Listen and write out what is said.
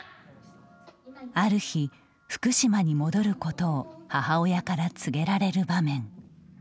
ある日、福島に戻ることを母親から告げられる場面。